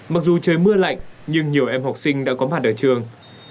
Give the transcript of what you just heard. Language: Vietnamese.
mặc dù trời mưa lạnh nhưng nhiều em học sinh đã có mặt ở trường